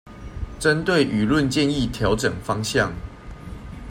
針對輿論建議調整方向